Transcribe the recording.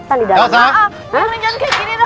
maaf mirna jangan kayak gini dong